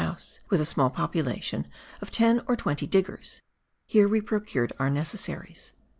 house, witli a small population of ten or twenty diggers ; here we procured our necessaries.